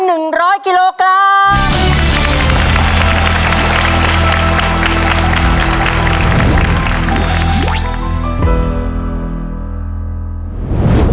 หนึ่งหมื่น